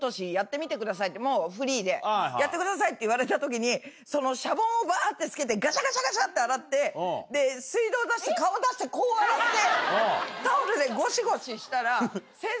フリーでやってくださいって言われた時にシャボンをバってつけてガシャガシャガシャって洗って水道出して顔出してこうやってタオルでゴシゴシしたら。